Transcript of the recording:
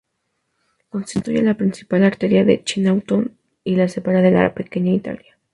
Constituye la principal arteria de Chinatown, y la separa de la Pequeña Italia.